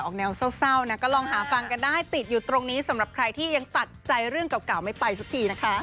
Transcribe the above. แนวเศร้านะก็ลองหาฟังกันได้ติดอยู่ตรงนี้สำหรับใครที่ยังตัดใจเรื่องเก่าไม่ไปสักทีนะคะ